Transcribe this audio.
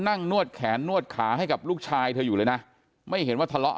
นวดแขนนวดขาให้กับลูกชายเธออยู่เลยนะไม่เห็นว่าทะเลาะ